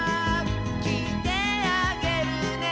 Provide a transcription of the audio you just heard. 「きいてあげるね」